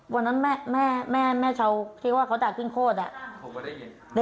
วันนั่นแม่เช่าคิดว่าเขาดาห์ขึ้นโคด